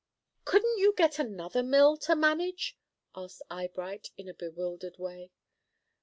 "Couldn't you get another mill to manage?" asked Eyebright, in a bewildered way.